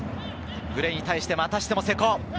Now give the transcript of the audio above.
グレイに対してまたしても瀬古。